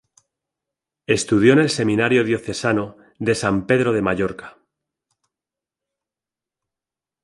Estudió en el Seminario Diocesano de San Pedro de Mallorca.